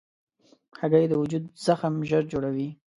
هګۍ د وجود زخم ژر جوړوي.